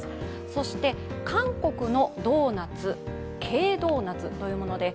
そして韓国のドーナツ、Ｋドーナツというものです。